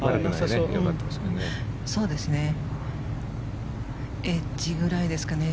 そうですね。